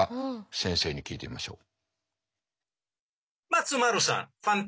先生に聞いてみましょう。